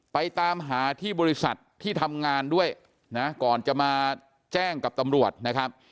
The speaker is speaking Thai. ตามหาที่บริษัทที่ทำงานด้วยนะก่อนจะมาแจ้งกับตำรวจนะครับ